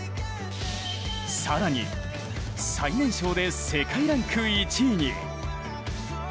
更に、最年少で世界ランク１位に。